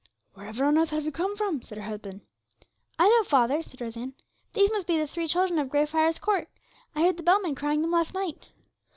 'Wherever on earth have you come from?' said her husband. 'I know, father,' said Rose Ann; 'these must be the three children of Grey Friars Court. I heard the bellman crying them last night.'